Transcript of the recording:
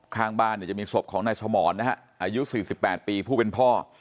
ข้างบ้านเนี่ยจะมีศพของนายสมรนะฮะอายุ๔๘ปีผู้เป็นพ่อ